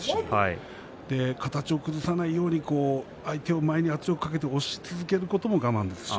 形を崩さないように相手を前に圧力をかけて押し続けることも我慢です。